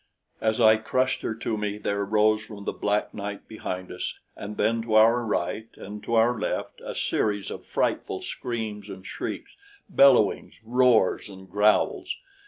As I crushed her to me, there rose from the black night behind us and then to our right and to our left a series of frightful screams and shrieks, bellowings, roars and growls.